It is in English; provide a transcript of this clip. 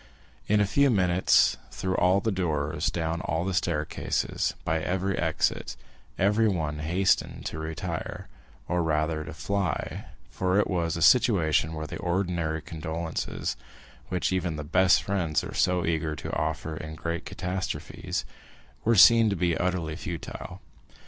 In a few minutes, through all the doors, down all the staircases, by every exit, everyone hastened to retire, or rather to fly; for it was a situation where the ordinary condolences,—which even the best friends are so eager to offer in great catastrophes,—were seen to be utterly futile.